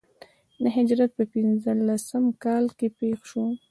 د هجرت په پنځه لسم کال کې پېښ شو.